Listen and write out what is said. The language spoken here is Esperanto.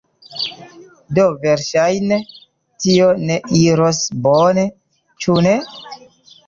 Do verŝajne, tio ne iros bone, ĉu ne?